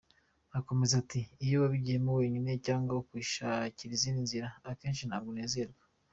Akomeza ati “Iyo wabigiyemo wenyine, cyangwa ukishakira izindi nzira, akenshi ntabwo unezerwa.